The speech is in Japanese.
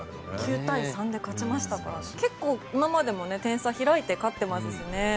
９対３で勝ちましたから結構、今までも点差が開いて勝っていますしね。